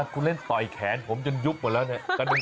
คุณเล่นต่อยแขนผมจนยุบหมดแล้วเนี่ย